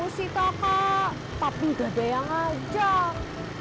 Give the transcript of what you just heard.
mau sih kakak tapi gak ada yang ngajak